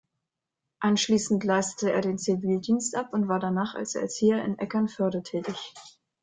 Anschließend leistete er den Zivildienst ab und war danach als Erzieher in Eckernförde tätig.